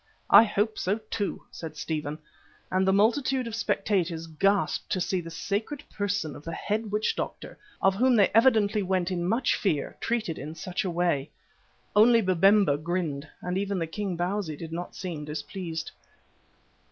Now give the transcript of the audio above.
"I hope so too," said Stephen, and the multitude of spectators gasped to see the sacred person of the head witch doctor, of whom they evidently went in much fear, treated in such a way. Only Babemba grinned, and even the king Bausi did not seem displeased.